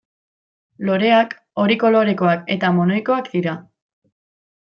Loreak hori kolorekoak eta monoikoak dira.